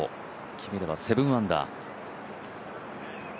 決めれば７アンダー。